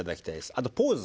あとポーズ。